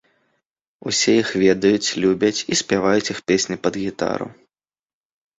Усе іх ведаюць, любяць і спяваюць іх песні пад гітару.